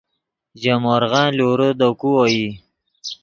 ژے مورغن لورے دے کو اوئی